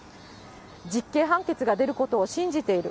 実刑判決が出ることを信じている。